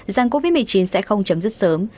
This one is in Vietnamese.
rằng covid một mươi chín sẽ không chấm dứt sớm